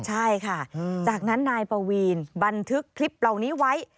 ใช่ค่ะจากนั้นนายปวีนบันทึกคลิปเหล่านี้ไว้